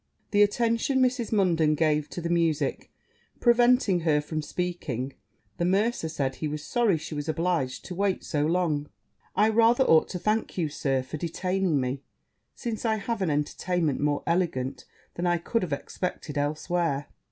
The attention Mrs. Munden gave to the musick, preventing her from speaking, the mercer said he was sorry she was obliged to wait so long: 'I rather ought to thank you, Sir, for detaining me, since I have an entertainment more elegant than I could have expected elsewhere.'